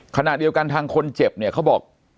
ขณะเดียวกันทางคนเจ็บเนี่ยเขาบอก